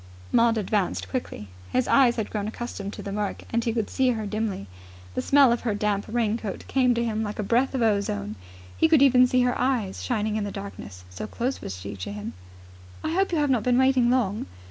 Maud advanced quickly. His eyes had grown accustomed to the murk, and he could see her dimly. The smell of her damp raincoat came to him like a breath of ozone. He could even see her eyes shining in the darkness, so close was she to him. "I hope you've not been waiting long?"